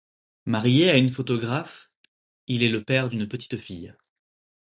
Marié à une photographe, il est le père d'une petite fille.